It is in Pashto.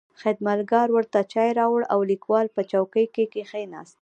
خدمتګار ورته چای راوړ او لیکوال په چوکۍ کې کښېناست.